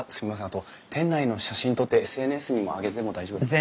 あと店内の写真撮ってＳＮＳにも上げても大丈夫ですか？